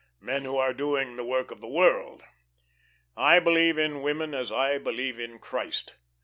Men who are doing the work of the world. I believe in women as I believe in Christ.